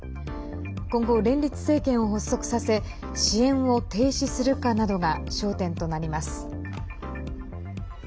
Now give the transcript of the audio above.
今後、連立政権を発足させ支援を停止するかなどが焦点となります。